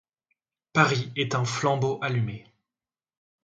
Paris est un flambeau allumé.